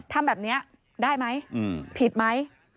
ทำแบบนี้ได้ไหมผิดไหม